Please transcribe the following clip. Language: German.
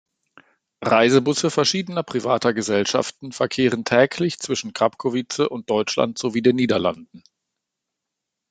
Reisebusse verschiedener privater Gesellschaften verkehren täglich zwischen Krapkowice und Deutschland sowie den Niederlanden.